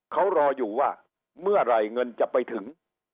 เขารออยู่ว่าเมื่อไหร่เงินจะไปถึง